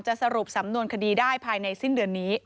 สรุปสำนวนคดีได้ภายในสิ้นเดือนนี้